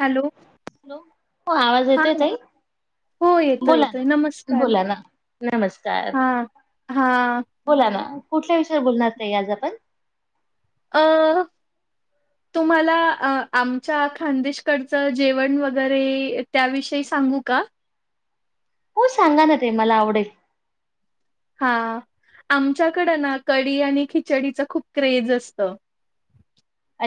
Hello hello हो आवाज हा येतोय ताई? हो येतोय बोला ना येतोय नमस्कार बोला ना नमस्कार. हा हा बोला ना कुठल्या विषयावर बोलणार ताई आज आपण? अं तु तुम्हाला आमच्या खानदेशकडचं जेवण वगैरे त्याविषयी सांगू का? हो सांगा ना ताई मला आवडेल. हा आमच्याकडं ना कडी आणि खिचडीच खूप क्रेज असतं.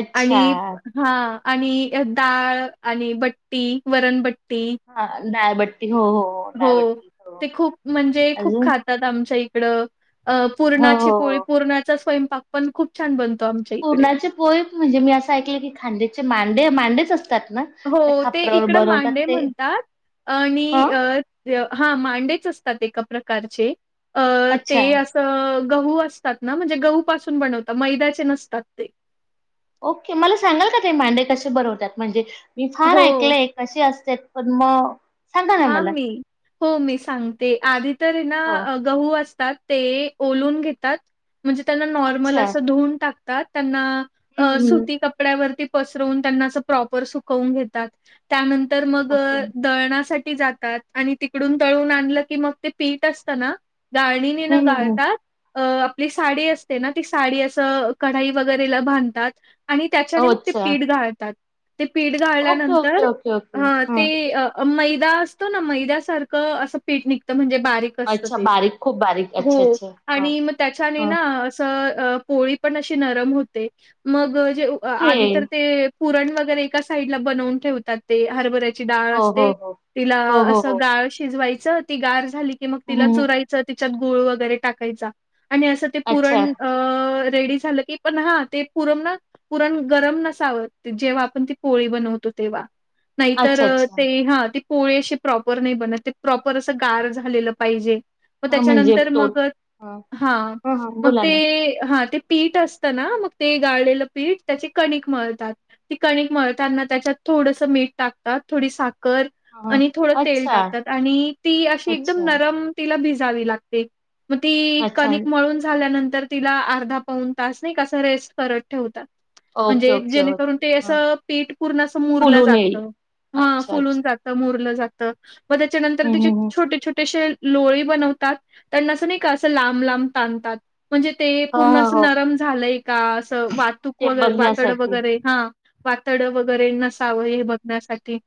अच्छा आणि हा आणि डाळ आणि बट्टी वरणबट्टी हा दाळबट्टी हो हो हो. हो डाळबट्टी हो ते खूप म्हणजे खूप अजून खात तात आमच्या इकडं अ हो हो पूरणाची पोळी हो पूरणाचा स्वयंपाक पण खूप छान बनतो आम पूरणाची पोळी म्हणजे मी असं ऐकलं की खानदेशचे मांडे मांडेच असतात ना? हो ते खापरावर इकडं बनवतात मांडे ते म्हणतात ह आणि अं हा मांडेच असतात एका प्रकारचे ते अच्छा अस अं गहू असतात ना म्हणजे गहू पासून बनवतात मैद्याचे नसतात ते. ओके मला सांगाल का ताई मांडे कसे बनवतात म्हणजे मी फार हो. ऐकलंय. कशी असतात पण मग. सांगा ना हा मला मी हो मी सांगते आधी तरी हो ना गहू असतात ओलं हुन घेतात म्हणजे त्यांना नॉर्मल अच्छा असं धुऊन टा कतात त्यांना अं हम्म हम्म सुती कपड्यावरती पसरवून त्यांना अस प्रॉपर सुकवून घेत तात त्यानंतर मग ओके दळणासाठी ठी जातात आणि तिकडून दळून आणलं कि मग ते पीठ असत ना गाळणी न हम्म हम्म गाळतात. अ आपली साडी असते ना ती साडी असं कढाई वगैरेला बांधतात. आणि ओ त्याच्याने मग ते अच्छा पीठ गाळतात ते पीठ ओके गाळल्यानंतर ओके ओके ओके. अं ते हं. मैदा असतो ना मैद्यासारखं असं पीठ निघतं म्हणजे बारीक. क असतं अच्छा ते बारीक खूप बारीक अच्छा अच्छा आणि हा. म त्याच्याने ना पोळी पण अशी नरम होते मग जे ते आधी तर ते. पुरण वगैरे एका साईड ला बनवून ठेवतात ते हरभऱ्याची डाळ हो हो असते. हो तिला हो हो हो असं गाळ शिजवायचं ती गार झाली की मग तिला हम्म चुराय. त त्याच्यात गुळ वगैरे टाकायचा आणि अस ते अच्छा पुरण. अ रेडी झालं की पण हा ते पुरम ना. पुरण गरम नसावं जेव्हा आपण ती पोळी बनवतो तेव्हा. नाहीतर अच्छा अच्छा ते हा. ते पोळी अशी प्रॉपर नाही बनत ते प्रॉपर असं गार झालेलं पाहिजे. मग हा म्हणजे त्याच्यानंतर तो मग हा हा मग बोला ते ना हा ते पीठ अस. त ना मग ते गाळलेलं पीठ त्याचे कणिक मळतात. ती कणिक मळताना त्याच्यात थोडस मीठ टाकतात थोडी साखर. हा आणि थोडं तेल अच्छा टाकतात आणि ती अशी एकदम अच्छा नरम तेलात भिजावी लागते. मग ती अच्छा कणिक मळून झाल्यानंतर तिला अर्धा पाऊन तास नाही का असं रेस्ट करत ठेवतात. ओके म्हणजे ओके जेणेकरून ओके ते हा असं पीठ पूर्ण असं मुरलं फुलून येईल. जातं. हा अच्छा फुलून अच्छा जातं मुरलं जातं मग त्याच्यानंतर हम्म हम्म तेचे हम्म छोटे छोटे असे. लोळे बनवतात त्यांना असं नाही का असं लांब लांब ताणतात. म्हणजे ते हा पूर्ण हा असं हो नरम झालंय का असं वाहतूक ते वगै वातड बघण्यासाठी वगैरे. हा वातडं वगैरे नसावं हे बघण्यासाठी.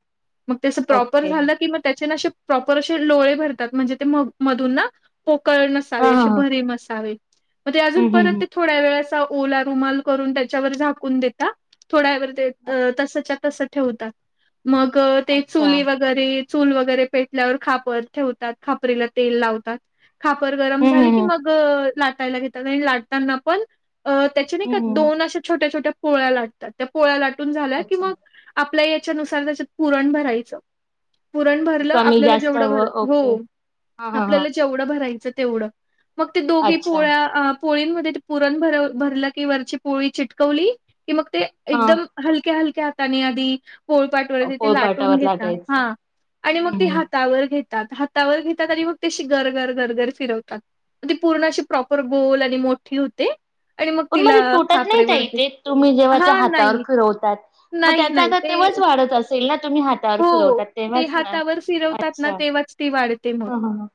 त्यास प्रॉपर ओके झालं किंवा त्याचे ना असे प्रॉपर असे लोळे भरतात म्हणजे ते म मधून ना. पोकळ हा नसावे हा असे हा भरीव असावे मग ते अजून हम्म हम्म परत हम्म ते. थोड्या वेळ असा ओला रुमाल करून त्याच्यावर झाकून देता. थोड्यावर तसचा तस ठेवतात मग ते अच्छा चुली वर. हम्म वगैे चूल वगैरे पेटल्यावर खापर ठेवतात खापरीला तेल लावतात. खापर गरम हम्म झाले की हम्म मग लाटायला घेतात आणि लाटताना पण. त्याचे नाही का हम्म हम्म दोन अशा छोट्या छोट्या पोळ्या लाटतात त्या पोळ्या लाटून झाल्या कि अच्छा मग. आपल्या याच्यानुसार त्याच्यात पुरण भरायचं. पुरण भरलं कमी आपल्याला जास्त जेवढ भर हवं हो ओके हा हा हा आपल्याला जे. जवढ भरायचं तेवढं मग ते दोघी अच्छा पोळ्या अ पोळींमध्ये पुरण भर भरल की वरची पोळी चिटकवली की मग ते हा एकदम. हलक्या हलक्या हातानी आधी पोळपाटवर ति ते लाटून पोळपाटावर घेत. लाटायचं हा आणि मग ती हम्म हातावर घेत. त हातावर घेतात आणि मग ते अशी गरघर गरघर फिरवतात ती पूर्ण अशी प्रॉपर गोल आणि मोठी होते आणि पण तिला मग तुटत नाही का खापरेवरती इथे तुम्ही हा जेव्हाते हातावर नाही फिरवतात मग नाही त्यांचा नाही आकार ते तेव्हाच वाढत असेल ना तुम्ही हात हो ते हातावर फिरवतात ना अच्छा तेव्हाच ती वाढते मग ह ह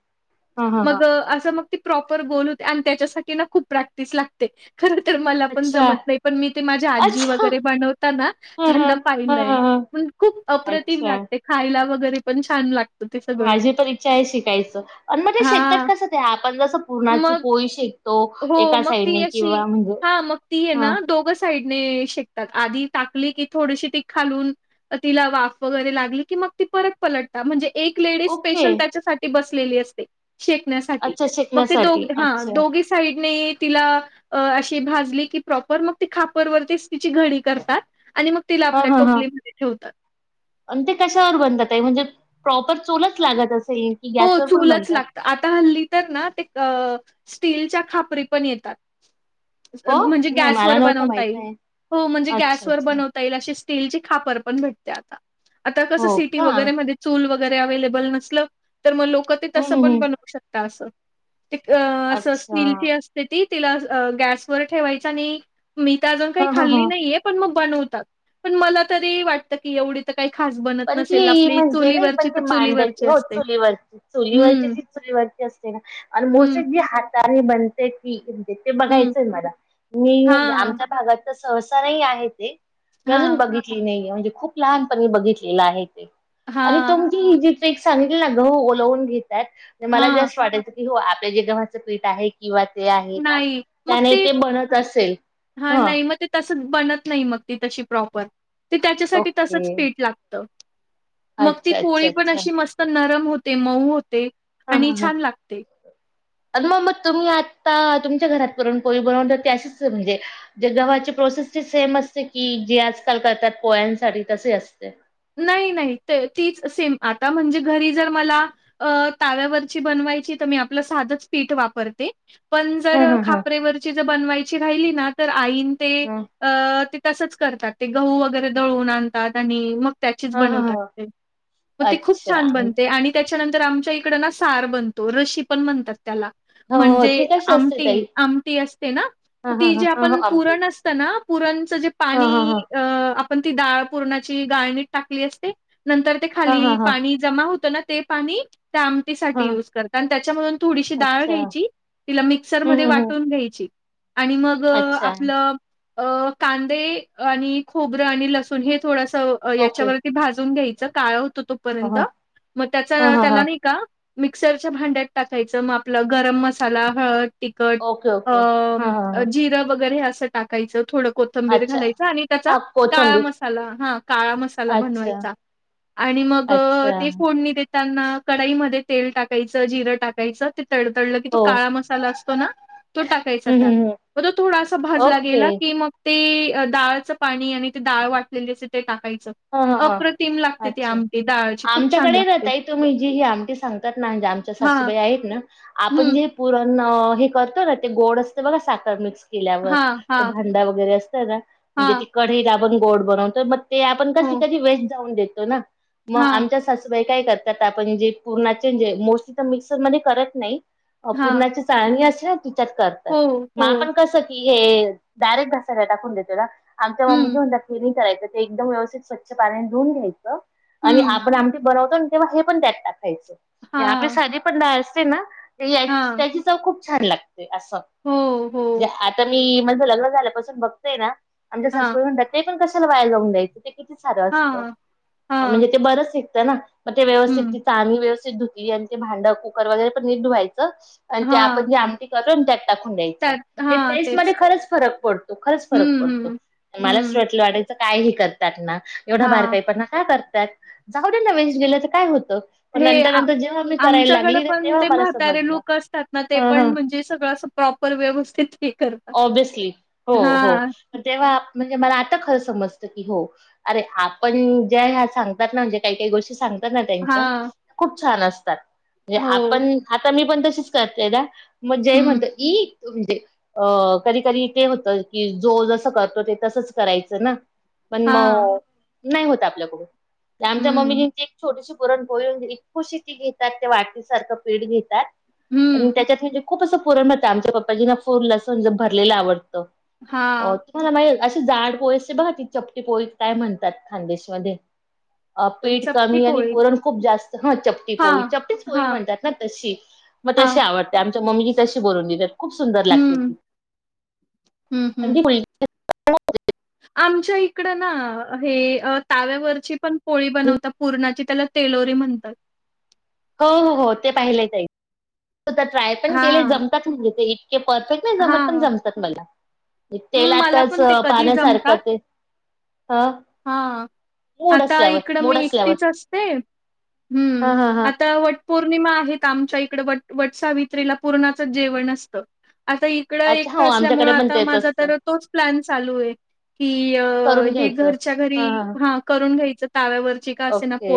ह ह ह मग असं मग ती प्रॉपर गोल होते आणि त्याच्यासाठी ना खूप प्रॅक्टिस लागते खर तर मला पण अच्छा जमत नाही पण मी ते माझ्या आजी अच्छा वगैरे बनवताना ह ह त्यांना ह पाहिलंय ह ह मग खूप अप्रत. अच्छा खायला वगैरे पण छान लागत माझी तर इच्छा आहे शिकायचं आणि मग ते शेकतात हां. कसं ते आपण जसं मग पूरणाची पोळी शक हो मग ती अशी हा मग ती आहे हा ना दोघच साइडने शेकतात आधी टाकली की थोडीशी ती खालून तिला वा वगैरे लागली की मग ती परत पलटता म्हणजे एक लेडी ओके स्पेशल त्याच्यासाठी बसलेली असते शेकण्यासाठी अच्छा मग ते दो शेकण्यासाठी हा अच्छा दोघे साईडने तिला अशी भाजली की प्रॉपर मग त खापरवरतीच तिची घडी करतात आणि मग तिला हां आपल्या हां हां टोपलीमध्ये ठेवतात. आणि ते कशावर बनतात ताई म्हणजे प्रॉपर चुलच लागत अस हो चूलच लागत. आता हल्ली तर ना ते अ स्टीलच्या खापरी पण येतात. हो म्हणजे नाही मला गॅसवर नव्हतं बनवता माहित येईल आहे हो म्हणजे गॅस अच्छा वर अच्छा बनवता टाईल अशी स्टील ची खापर पण भेटत्या आता आता कस हो सीटी का वैगरे हम्म मध्ये चूल वगैरे अव्हेलेबल नसल. तर मग लोक ते तसं हम्म पण हम्म बनवू शकता असं ते क् अस अच्छा स्टीलची असते ती. तिला गॅसवर ठेवायच आणि मी ते अजून काही हां हां खाल्ली हां नाहीये पण मग बनवतात. पण मला तरी वाट त की एवढी तर काही खास बनत पण नसेल ती आपली चुलीवरची तर चुलीवरची असते. ची वर चुलीवरची हम्म. ती चुलीवरती असते ना? आणि हं, मोस्टीली जी हातान बन तेच की. म्हणजे ते हं. बघायचंय मला मी म्हणजे हां, आमच्या भागात तर सहसा नाही आहे ते. अजून हां, बघितली नाहीे म्हणजे खूप लहानपणी बघितलेलं आहे ते आणि हां, तुम ती ही जी ट्रीक सांगितली ना? गहू ओलवून घेतात. ते मला हां. जास्त वाटयच को हो आपल्या जे गव्हाचं पीठ आहे किंवा ते आहे ना? नाही. मग त्याने ते बनत असेल ह. तसच बनत नाही मग ते तशी प्रॉपर. ती त्याच्यासाठी ओके तसच पीठ लागत. मग ती अच्छा पोळी अच्छा पण अच्छा अशी मस्त नरम होते. मऊ होते. हा हा आणि हा. छान लागते. अत मग मग तुम्ही आता तुमच्या घरात पुरण - पोळी बनवतात ती अशीच म्हणजे ज्या गव्हाची प्रोसेस ची सेम असते की? जी आजकाल करतात पोळ्यांसाठी तसे असते. नाही नाही ते तीच सेम आता म्हणजे घरी जर मला अ ताव्यावरची बनवायची तर मी आपलं साधंच पीठ वापरते. पण जर हा हा हा खापरेवरची जर बनवायची राहिली ना तर आईन ते हा अ ते तसच करतात. ते गहू वगैरे दळून आणतात आणि मग त्याचीच हा हा बनवतात हा ते. मग ते खूप अच्छा छान हो बनते आणि त्याच्यानंतर आमच्या इकड ना सार बनतो. रशी पण म्हणतात त्याला. हो म्हणजे ती कशी असते ताई आमटी. आमटी असते ना? हा मग हा ती जे हा हा आपण हा आमटी पुरण असत ना? पुरणच जे हा पाणी हा हा अ आप पण ती डाळ पूरणाची गाळणीत टाकली असते नंतर ते हा खाली हा हा पाणी जमा होत ना ते पाणी त्या आमटीसाठी हा यूज करतात. आणि त्याच्यामधून थोडीशी डाळ अच्छा. घ्यायची तिला हं, मिक्सरमध्ये हं, हं. वाटून घ्यायची आणि मग अच्छा. आपलं अ कांदे आणि खोबरं आणि लसूण हे थोडस ओके. याच्यावर ते भाजून घ्यायचं काळं होतं हां, तोपर्यंत. हां. मग हां, त्याचा हां, त्याला हां. नाही का मिक्सरच्या भांड्यात टाकायचं म आपलं गरम मसाला, हळद तिकट ओके, ओके. हां, हां, अ हां. जिरं वगैरे हे असं टाकायचं. थोड कोत थंबीर अच्छा. घालायच. आणि त्याचा हां, काळा कोथिंबीर. मसाला हा काळा मसा त्याला अच्छा, बनवायचा. आणि मग अच्छा. ति पुड णी देताना कढईमध्ये तेल टाकायचं जिरं टाकायचं ते तडतडलं की तो हो. काळा मसाला अस तो ना? तो टाकायचा हं, त्यात हं, हं. म तो थोडासा भाजला ओके. गेला की मग ते डाळचं पाणी आणि ते डाळ वाटलेली असते ते टाकायचं. हां, हां, हां. अप्रतिम लागते ते अच्छा. आमटी. डाळची खूप छान आमच्याकडे ना लागते. ताई तुम्ही जी ही आमटी सांगतात ना? म्हणजे आमच्या हां, सासूबाई आहेत ना? आपण हं, जे पुरण हे करतो ना ते गोड असते बघा साखर मिक्स केल्यावर हां, ते हां, भांडा वगैरे असत ना? म्हणजे हां, ती कढईत आपण गोड बनवतो मग ते आपण कसी हो, कधी वेस्ट जाऊन देतो ना? म हां, आमच्या सासू काही काही करतात, आपण जे पुरणाचे जे मोस्टली तर पुरणाचे करत नाहि. हां, चाळणी असते ना तिच्यात करतात. हो, मग हो, आपण कसं की हे डायरेक्ट घासायला टाकून देतोय ना. आमच्या मम्मीजी हं, म्हणतात, ते नाहि करायचं ते एकदम व्यवस्थित स्वच्छ पाण्याने धुऊन घ्यायचं. आणि हं, आपण आमटी बनवतो ना, तेव्हा हे पण त्यात टाकायचं, हा हां, पण पण असते ना, त्याची, हां, त्याची चव खूप छान लागते. असं, हो, हो, आता मी माझं लग्न झाल्यापासून बघतोयना, आमच्या हां, संस्कृती ते पण कशाला वाया जाऊन द्यायचं, ते किती सारं असतं, हां, म्हणजे हां, ते बरंच निघतना. मग ते व्यवस्थित हं, ती चाळणी व्यवस्थित धुतली, आणि ते भांड, कुकर वगैरे पण नीट धुवायचं. आणि ते हां. आपण जे आमटी करतो ना त्यात टाकून द्यायचं. त्यात हां टेस्ट मध्ये तेच. खरंच फरक पडतो, खरंच फरक हम्म, पडतो. हम्म. मलाच हम्म. वाटलं कायही करतात ना, एवढा हां. बारकाई पना का करतात जाऊ द्याना वेस्ट गेलं तर काय होतं. पण हे नंतर नंतर जेव्हा मी करायला आमच्याकडें लागली ना पण तेव्हा ते मला म्हातारे समजलं लोक असतात ना, ते ह ह पण म्हणजे सगळं प्रॉपर, व्यवस्थित हे करतात. ऑब्व्हियसली. हो हो हां, पण तेव्हा म्हणजे मला आता खरं समजतं की हो अरे आपण ज्या ह्या सांगतात ना, म्हणजे काही काही गोष्टी सांगतात असतात ना त्यांच्या हां. खूप छान असतात. म्हणजे हो. आपण आता मी पण तशीच करते ना. मग जय हं. म्हणतो, ई अ कधी कधी ते होतं की जो जस करतो, ते तसंच करायचं ना. पण हां. मग नाही होत आपल्याकडून. आमच्या हं. मम्मीजींची छोटीशी पुरण पोळी, खुशीची घेतात. त्या वाटीसारखं प्लेट घेतात. आणि हं. त्याच्यात म्हणजे खूप असं पुरण भरतात. आमच्या पप्पाजीना पूर्ण अस भरलेलं आवडतं. हो हां. तुम्हाला माहितीय, अशी जाड पोळी असते बघा. चपटी पोळी काय म्हणतात खान्देश मध्ये. अ पीठ चपटी कमी आणि पोळी. पुरण खूप जास्त, हा चपटी पोळी. हां. चपटीच पोळी हां, म्हणतात ना तशी. मग हां. तशी आवडते. आमच्या मम्मीजी तशी बनवून देतात, खूप सुंदर लागते ती. हम्म, हम्म. अगदी फुल आमच्या इकड ना हे ताव्यावरची पण पोळी बनवतात. पूरणाची त्याला तेलोरी म्हणतात. हो, हो, हो ते पाहिलंय ताई. ते ट्राय पण केले हां. जमतात मला. ते इतके परफेक्ट नाही जमत पण हां. जमतात मला. मला तेलातच पण ते कधी पाण्यासारखं ते हा हा, आता इकडं मी असल्यावर एकटीच असते. हा हम्म, हा हा आता पौर्णिमा आहेत आमच्या इकडे. वट वटसावित्रीला पुरनाच जेवण असतं. आणखीन इकड अच्छा एकट हो असल्यामुळे, आमच्याकडे पण आता तेच माझा असतं तर तोच प्लॅन चालू आहे. की घर खर्च घरच्या घरी हा करून घ्यायच ताव्यावर. ओके,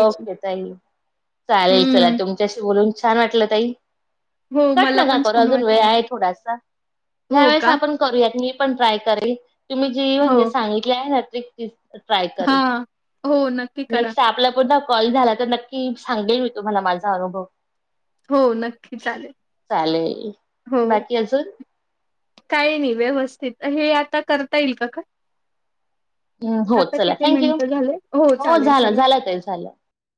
ओके ताई चालेल. चला तुमच्या हम्म. तुमच्याशी, बोलून छान वाटलं ताई. हो कट मला नका पण करू छान अजून वेळ वाटलं. आहे थोडासा. ज्या हो वेळेस का? आपण करूयात. मी पण ट्राय करेन तुम्ही जी म्हणजे सांगितली आहे ना ट्रिक ती ट्राय करेल. हा, हो नक्की. करा. नेक्स्ट आपला पुर्ण कॉल झाला, तर नक्की सांगेल मी तुम्हाला माझा अनुभव. हो नक्की चालेल. चालेल, हो. बाकी अजून. काही नाही व्यवस्थित. हे आता करता येईल का हो आता चला किती थँक्यू. मिनट झाले. हो चालेल झालं चालेल. झालं ताई झालं.